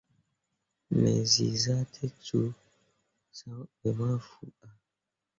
Me ceezah te cũũ san ɓe mah fuu ah.